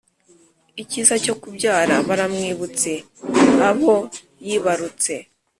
Icyiza cyokubyara baramwibutse abo yibarutse